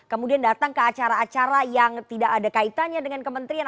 kemudian datang ke acara acara yang tidak ada kaitannya dengan kementerian